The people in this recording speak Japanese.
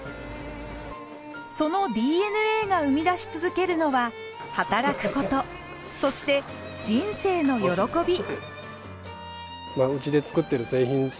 そのＤＮＡが生み出し続けるのは働くことそして人生の喜び。